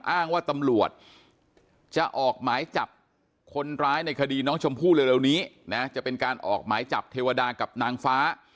อ้างว่าตำรวจจะออกหมายจับคนร้ายในคดีน้องชมพู่เร็วนี้นะจะเป็นการออกหมายจับเทวดากับนางฟ้า